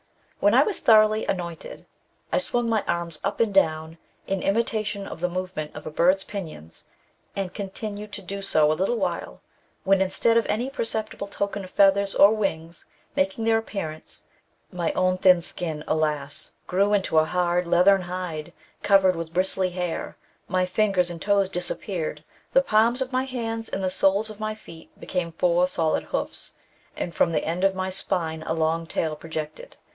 When I was thoroughly anointed, I swung my arms up and down, in imitation of the movement of a bird's pinions, and continued to do so a little while, when instead of any perceptible token of feathers or wings making their appearance, my own thin skin, alas ! grew into a hard leathern hide, covered with bristly hair, my fingers and toes disappeared, the palms of my hands and the soles of my feet became four solid hoofs, and from the end of my spine a long tail projected.